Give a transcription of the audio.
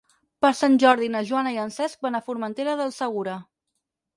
Per Sant Jordi na Joana i en Cesc van a Formentera del Segura.